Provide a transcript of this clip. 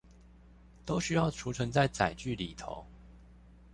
都需要儲存在載具裏頭